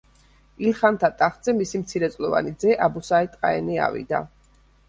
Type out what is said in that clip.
ილხანთა ტახტზე მისი მცირეწლოვანი ძე, აბუ საიდ ყაენი ავიდა.